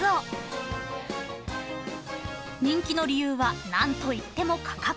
［人気の理由は何といっても価格］